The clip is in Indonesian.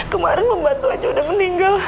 kemaren mbak tua aja udah meninggal